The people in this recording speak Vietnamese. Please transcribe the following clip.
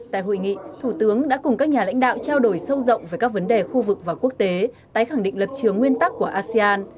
tại hội nghị thủ tướng đã cùng các nhà lãnh đạo trao đổi sâu rộng về các vấn đề khu vực và quốc tế tái khẳng định lập trường nguyên tắc của asean